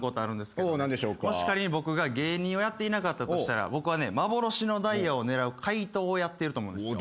もし仮に僕が芸人をやっていなかったとしたら僕は幻のダイヤを狙う怪盗をやってると思うんですよ。